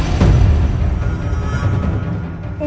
bapak ibu mau pergi